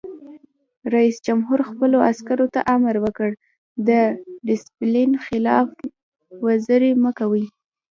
رئیس جمهور خپلو عسکرو ته امر وکړ؛ د ډسپلین خلاف ورزي مه کوئ!